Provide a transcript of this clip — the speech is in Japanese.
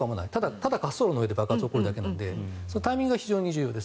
ただ滑走路の上で爆発が起こるだけなのでタイミングが重要です。